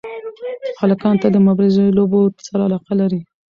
هلکان تل د مبارزې لوبو سره علاقه لري.